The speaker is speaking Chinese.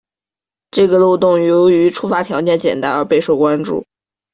这个漏洞由于触发条件简单而备受关注。